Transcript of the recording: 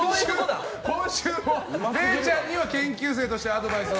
今週もれいちゃんには研究生としてアドバイスを。